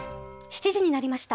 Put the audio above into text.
７時になりました。